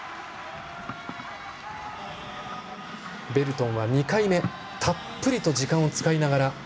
ベルトンは２回目たっぷりと時間を使いながら。